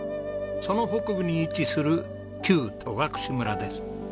その北部に位置する旧戸隠村です。